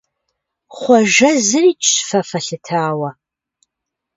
Хъуэжэ зырикӀщ фэ фэлъытауэ.